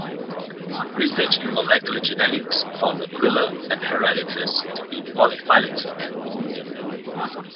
Research in molecular genetics found "Aquila" and "Hieraaetus" to be polyphyletic.